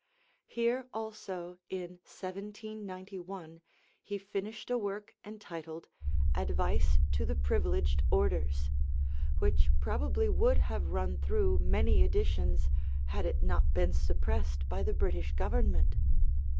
Here also, in 1791, he finished a work entitled 'Advice to the Privileged Orders,' which probably would have run through many editions had it not been suppressed by the British government.